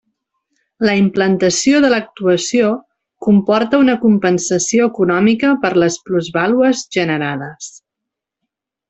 La implantació de l'actuació comporta una compensació econòmica per les plusvàlues generades.